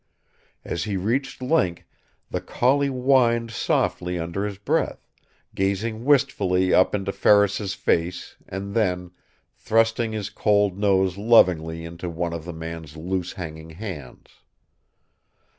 As he reached Link, the collie whined softly under his breath, gazing wistfully up into Ferris's face and then thrusting his cold nose lovingly into one of the man's loose hanging hands.